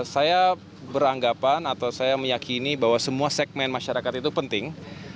saya beranggapan atau saya meyakini bahwa semua segmen masyarakat itu penting